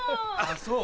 そう？